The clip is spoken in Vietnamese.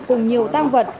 cùng nhiều tăng vật